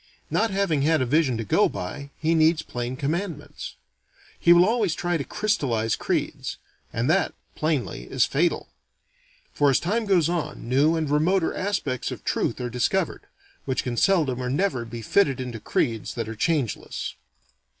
Not having had a vision to go by, he needs plain commandments. He will always try to crystallize creeds. And that, plainly, is fatal. For as time goes on, new and remoter aspects of truth are discovered, which can seldom or never be fitted into creeds that are changeless.